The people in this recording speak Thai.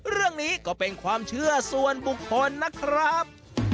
เรื่องนี้ก็เป็นความเชื่อส่วนบุคคลนะครับ